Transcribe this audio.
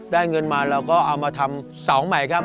เงินมาเราก็เอามาทำเสาใหม่ครับ